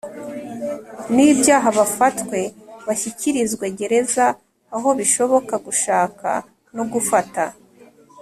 nibyaha bafatwe bashyikirizwe gereza Aho bishoboka gushaka no gufata